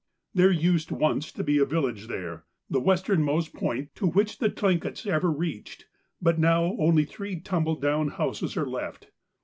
There used once to be a village there, the westernmost point to which the Tlinkits ever reached, but now only three tumble down houses are left.